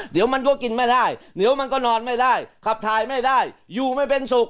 เดี๋ยวมันก็กินไม่ได้เดี๋ยวมันก็นอนไม่ได้ขับถ่ายไม่ได้อยู่ไม่เป็นสุข